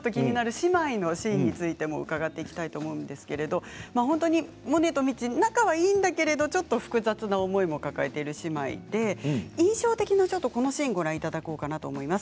姉妹のシーンについても伺っていきたいと思うんですがモネと未知、仲はいいんだけどちょっと複雑な思いを抱えている姉妹で印象的なシーンをご覧いただきます。